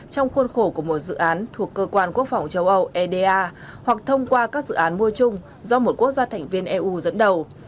trong khuôn khổ của một dự án thuộc cơ quan quốc phòng châu âu eda hoặc thông qua các dự án mua chung do một quốc gia thành viên eu dẫn đầu